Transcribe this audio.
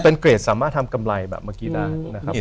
เป็นเกรดสามารถทำกำไรแบบเมื่อกี้ได้นะครับ